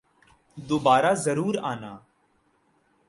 دوبارہ ضرور آنا